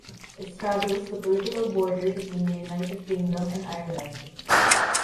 It straddles the political border between the United Kingdom and Ireland.